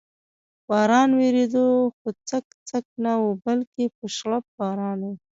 باران ورېده، خو څک څک نه و، بلکې په شړپ باران و.